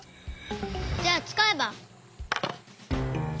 じゃあつかえば。